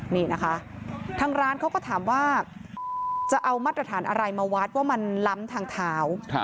นี่นะคะทางร้านเขาก็ถามว่าจะเอามาตรฐานอะไรมาวัดว่ามันล้ำทางเท้า